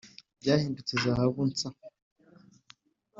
byahindutse zahabu nsa!